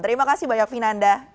terima kasih banyak vinanda